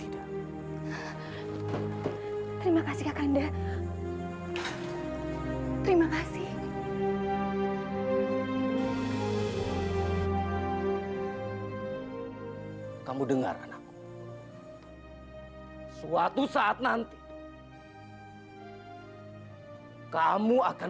dosa deh sudah tahu kan